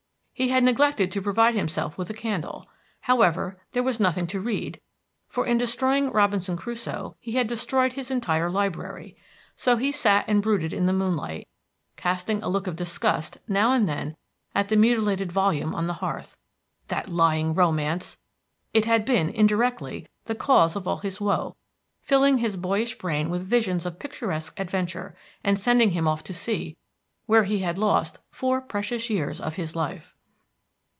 He had neglected to provide himself with a candle. However, there was nothing to read, for in destroying Robinson Crusoe he had destroyed his entire library; so he sat and brooded in the moonlight, casting a look of disgust now and then at the mutilated volume on the hearth. That lying romance! It had been, indirectly, the cause of all his woe, filling his boyish brain with visions of picturesque adventure, and sending him off to sea, where he had lost four precious years of his life.